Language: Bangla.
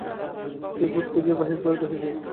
সেই পথ খুঁজিয়া বাহির করিতে হইবে।